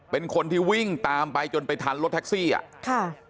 เป็นคนที่วิ่งตามไปจนไปทันรถแท็กซี่อ่ะค่ะ